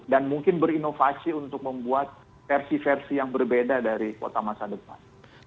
dan mungkin berinovasi untuk membuat versi versi yang berbeda dari kota masa depan